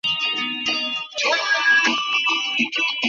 পরে স্থানীয় লোকজন এসে রাজেশকে আটক করে পুলিশের কাছে সোপর্দ করেন।